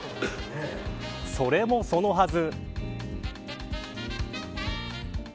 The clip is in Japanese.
それもそのはず。